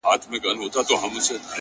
په مټي چي وكړه ژړا پر ځـنـگانــه،